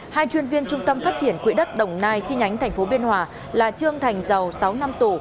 hai chuyên viên trung tâm phát triển quỹ đất đồng nai chi nhánh thành phố biên hòa là trương thành dầu sáu năm tù